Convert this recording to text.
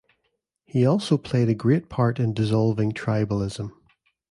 He also played a great part in dissolving tribalism.